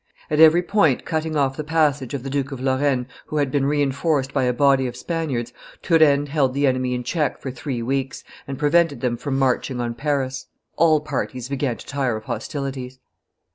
At every point cutting off the passage of the Duke of Lorraine, who had been re enforced by a body of Spaniards, Turenne held the enemy in check for three weeks, and prevented them from marching on Paris. All parties began to tire of hostilities.